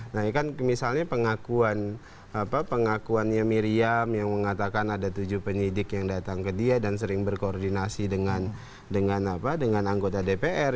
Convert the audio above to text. nah ini kan misalnya pengakuannya miriam yang mengatakan ada tujuh penyidik yang datang ke dia dan sering berkoordinasi dengan anggota dpr